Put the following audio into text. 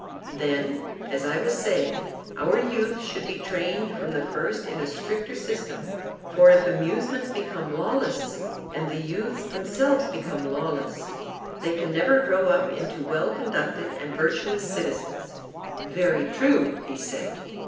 Then, as I was saying, our youth should be trained from the first in a stricter system, for if amusements become lawless, and the youths themselves become lawless, they can never grow up into well conducted and virtuous citizens. Very true, he said.